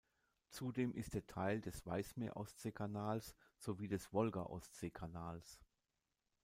Zudem ist er Teil des Weißmeer-Ostsee-Kanals sowie des Wolga-Ostsee-Kanals.